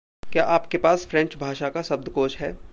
क्या आपके पास फ्रेंच भाषा का शब्दकोष है?